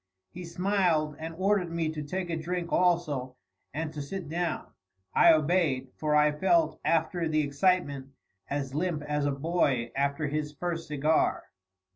He smiled and ordered me to take a drink also, and to sit down. I obeyed, for I felt, after the excitement, as limp as a boy after his first cigar.